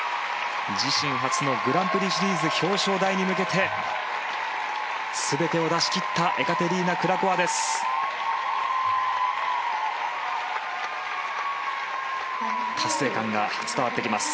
自身初のグランプリシリーズ表彰台へ向けて全てを出しきったエカテリーナ・クラコワです。